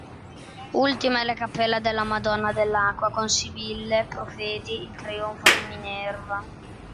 Ultima è la "cappella della Madonna dell'Acqua", con "Sibille, Profeti" il "Trionfo di Minerva".